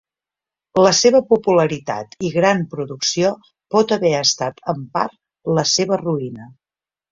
La seva popularitat i gran producció pot haver estat en part la seva ruïna.